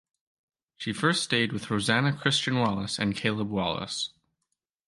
She first stayed with Rosanna Christian Wallace and Caleb Wallace.